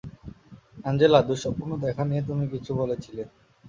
Angela, দুঃস্বপ্ন দেখা নিয়ে তুমি কিছু বলেছিলে।